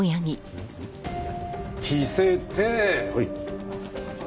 はい。